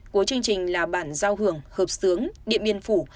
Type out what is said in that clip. cuối chương trình là bản giao hưởng hợp sướng điện biên phủ